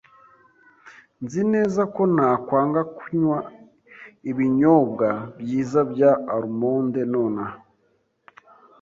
Nzi neza ko ntakwanga kunywa ibinyobwa byiza bya almonde nonaha.